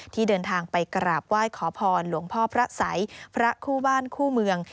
ที่เดินทางไปกราบไหว้ขอพรหลวงพ่อพระสัยพระคู่บ้านคู่เมือง